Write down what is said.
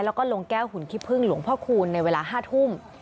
แล้วก็ลงแก้วหุ่นขี้พึ่งหลวงพ่อคูณในเวลา๕ทุ่ม